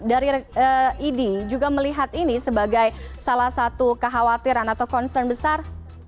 dari idi juga melihat ini sebagai salah satu kekhawatiran atau concern besar